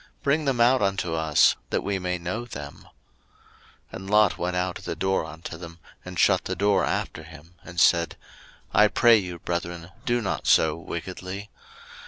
bring them out unto us, that we may know them. 01:019:006 And Lot went out at the door unto them, and shut the door after him, 01:019:007 And said, I pray you, brethren, do not so wickedly.